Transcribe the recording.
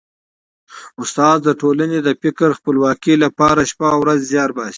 استاد د ټولني د فکري خپلواکۍ لپاره شپه او ورځ زیار باسي.